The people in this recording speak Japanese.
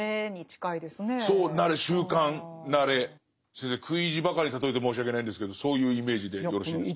先生食い意地ばかり例えて申し訳ないんですけどそういうイメージでよろしいですか？